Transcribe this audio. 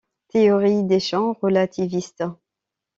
Théorie des champs relativiste.